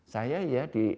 saya ya di